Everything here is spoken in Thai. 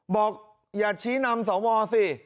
บอกอย่าชี้นำสวสิ